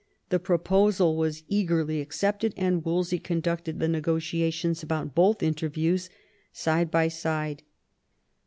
The proposal was eagerly accepted, and Wolsey conducted the negotiations about both interviews side by side.